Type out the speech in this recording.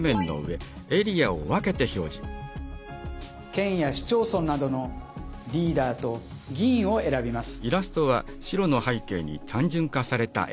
県や市町村などのリーダーと議員を選びます。